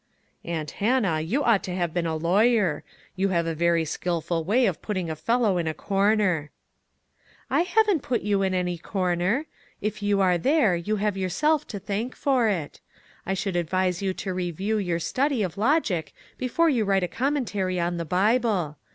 '" "Aunt Hannah, you ought to have been a lawyer; you have a very skilful way of putting a fellow in a corner." "I haven't put you in any corner; if you are there, you have yourself to thank for it ; I should advise you to review your study of logic before you write a commentary on the Bible.